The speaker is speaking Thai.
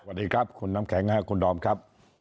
สวัสดีครับคุณน้ำแข็งคุณดอมครับ